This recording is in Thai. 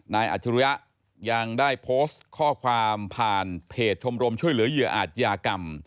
อัจฉริยะยังได้โพสต์ข้อความผ่านเพจชมรมช่วยเหลือเหยื่ออาจยากรรม